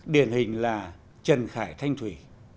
điển hình là trần khải thanh thủy